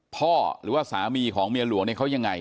หรือว่าสามีของเมียหลวงเนี่ยเขายังไง